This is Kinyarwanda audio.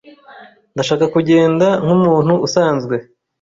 Ndashaka kugenda nkumuntu usanzwe.